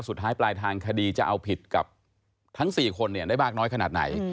สุดท้ายปลายทางคดีจะเอาผิดกับทั้ง๔คนได้มากน้อยขนาดไหน